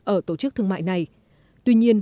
ở tổ chức thương mại này tuy nhiên